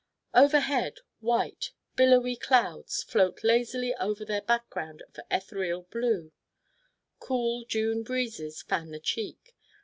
Overhead, white, billowy clouds float lazily over their background of ethereal blue. Cool June breezes fan the cheek.